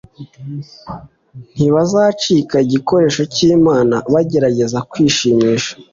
Ntibazica igikoresho cyImana bagerageza kwishimira